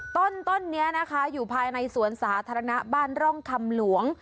ต้นนี้นะคะอยู่ภายในสวนสาธารณะบ้านร่องคำหลวง